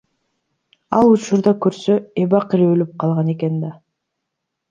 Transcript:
Ал учурда көрсө эбак эле өлүп калган экен да.